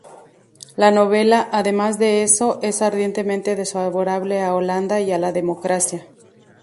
La novela, además de eso, es ardientemente desfavorable a Holanda y a la democracia.